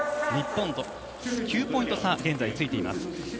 日本と９ポイント差が現在ついています。